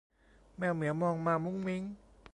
แมวเหมียวมองมามุ้งมิ้ง